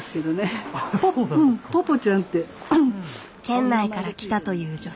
県内から来たという女性。